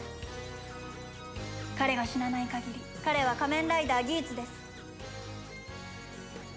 彼が死なない限り彼は仮面ライダーギーツです。